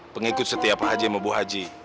pengikut setiap haji sama bu haji